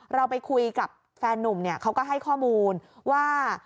เราไปคุยกับแฟนนุ่มเนี่ยเขาก็ให้ข้อมูลว่า